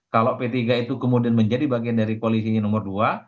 kalau p tiga itu kemudian menjadi bagian dari koalisinya nomor dua